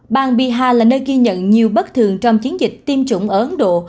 bang bihar là nơi ghi nhận nhiều bất thường trong chiến dịch tiêm chủng ở ấn độ